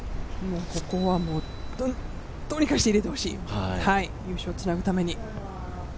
ここは、もうどうにかして入れてほしい、優勝につなぐために。